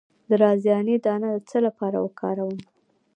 د رازیانې دانه د څه لپاره وکاروم؟